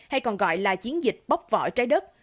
hay còn gọi là chiến dịch bóp või trái đất